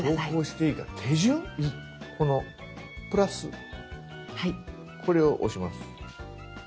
このプラスこれを押します。